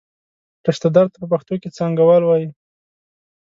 رشته دار ته په پښتو کې څانګوال وایي.